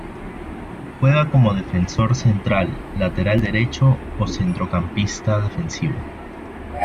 Juega como defensor central, lateral derecho o centrocampista defensivo.